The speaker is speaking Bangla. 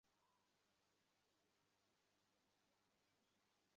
এখন শুধু তুমি আর আমি।